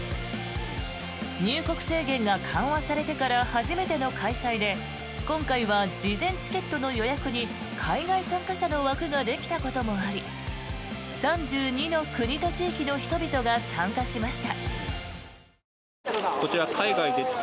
入国制限が緩和されてから初めての開催で今回は事前チケットの予約に海外参加者の枠ができたこともあり３２の国と地域の人々が参加しました。